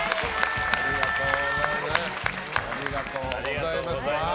ありがとうございます。